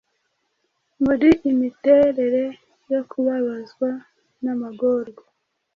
muri Imiterere yo kubabazwa n'amagorwa: